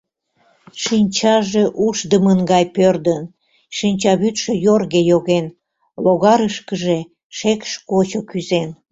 Шинчаже ушдымын гай пӧрдын, шинчавӱдшӧ йорге йоген, логарышкыже шекш кочо кӱзен.